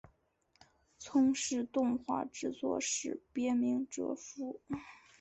从事动画制作时别名哲夫。